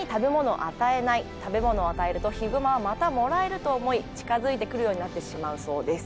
食べ物を与えるとヒグマはまたもらえると思い近づいてくるようになってしまうそうです。